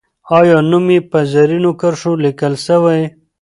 آیا نوم یې په زرینو کرښو لیکل سوی؟